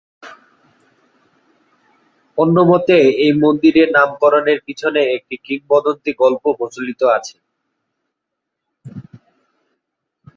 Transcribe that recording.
অন্যমতে, এই মন্দিরের নামকরণের পিছনে একটি কিংবদন্তি গল্প প্রচলিত আছে।